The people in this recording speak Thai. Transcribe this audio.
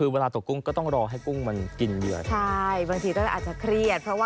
ประจัดเงินเสียเรียบร้อยแล้ว